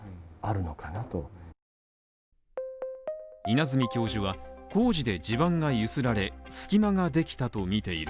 稲積教授は工事で地盤がゆすられ、隙間ができたとみている。